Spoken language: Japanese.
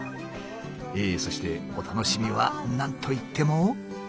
ええそしてお楽しみは何といっても。